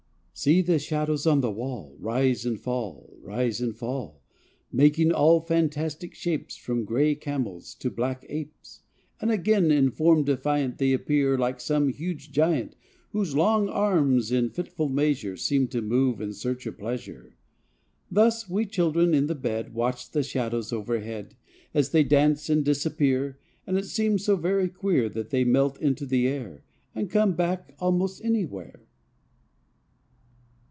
S ee the shadows on the wall Rise and fall, rise and fall, Making all fantastic shapes From gray camels to black apes; Then again in form defiant They appear like some huge giant Whose long arms in fitful measure Seem to move in search of pleasure. Thus we children in the bed Watch the shadows overhead As they dance and disappear And it seems so very queer That they melt into the air And come back most anywhere.